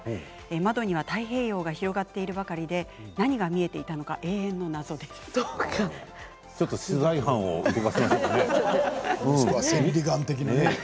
窓には太平洋が広がっているばかりで何が見えていたのかちょっと取材班を送らせましょうかね。